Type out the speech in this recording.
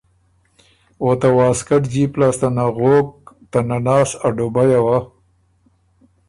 او ته واسکټ جیب لاسته نغوک ته نناس ا ډوبیه وه